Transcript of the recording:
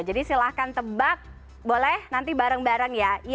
jadi silahkan tebak boleh nanti bareng bareng ya